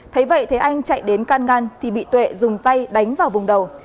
thấy vậy thế anh chạy đến can ngăn thì bị tuệ dùng tay đánh vào vùng đầu